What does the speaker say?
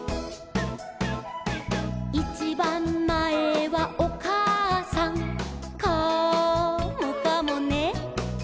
「いちばんまえはおかあさん」「カモかもね」